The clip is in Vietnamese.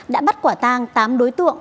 đã bắt quả tang tám đối tượng